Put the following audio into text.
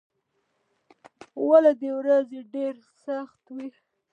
اولې ورځې ډېرې سختې وې.